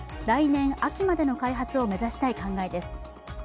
来年秋までの開発を目指したい考えです。